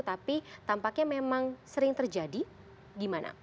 tapi tampaknya memang sering terjadi gimana